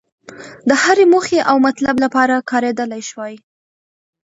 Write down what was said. د هرې موخې او مطلب لپاره کارېدلای شوای.